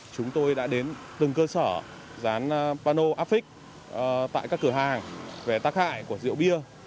chúng tôi đã đến từng cơ sở dán pano áp vích tại các cửa hàng về tác hại của rượu bia